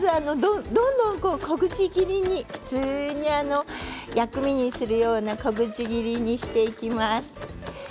どんどん小口切りに普通に薬味にするような小口切りにしていきます。